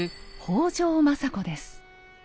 北条政子です。